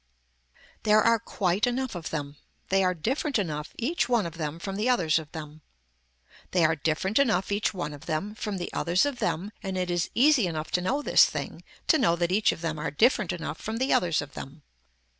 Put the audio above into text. There are quite enough of them. They are different enough each one of them from the others of them. They are different enough each one of them from the others of them and it is easy enough to know this thing to know that each of them are different enough from the others of them.